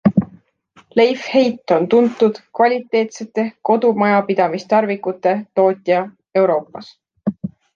Leifheit on tuntud kvaliteetsete kodumajapidamistarvikute tootja Euroopas.